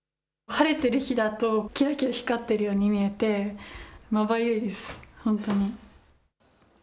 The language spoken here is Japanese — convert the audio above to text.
晴れてる日だときらきら光っているように見えて、まばゆいです、ほんとに。